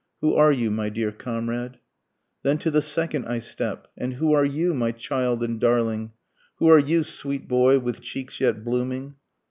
Who are you my dear comrade? Then to the second I step and who are you my child and darling? Who are you sweet boy with cheeks yet blooming?